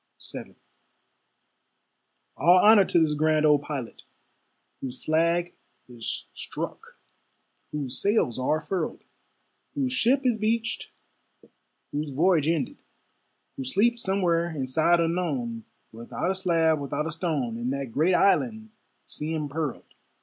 VII All honor to this grand old Pilot, Whose flag is struck, whose sails are furled, Whose ship is beached, whose voyage ended; Who sleeps somewhere in sod unknown, Without a slab, without a stone, In that great Island, sea impearled.